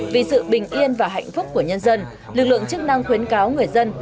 vì sự bình yên và hạnh phúc của nhân dân lực lượng chức năng khuyến cáo người dân